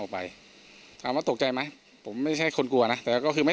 ไปถามว่าตกใจไหมผมไม่ใช่คนกลัวนะแต่ก็คือไม่